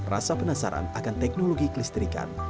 rasa penasaran akan teknologi kelistrikan